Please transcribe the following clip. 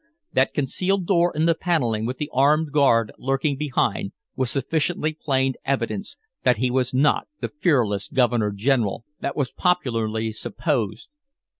That concealed door in the paneling with the armed guard lurking behind was sufficiently plain evidence that he was not the fearless Governor General that was popularly supposed.